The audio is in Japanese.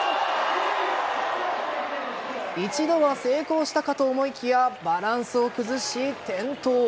一度は成功したかと思いきやバランスを崩し、転倒。